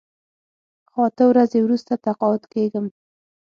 خو اته ورځې وروسته تقاعد کېږم.